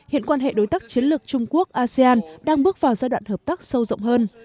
hiện quan hệ đối tác chiến lược trung quốc asean đang bước vào giai đoạn hợp tác sâu rộng hơn